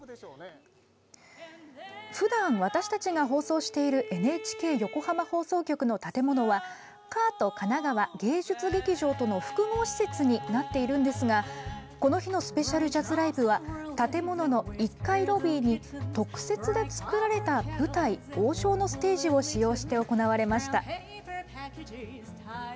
ふだん、私たちが放送しているＮＨＫ横浜放送局の建物はＫＡＡＴ神奈川芸術劇場との複合施設になっているんですがこの日のスペシャルジャズライブは建物の１階ロビーに特設で作られた舞台「王将」のステージを使用して行われました。